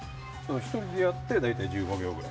１人でやって大体１５秒くらい。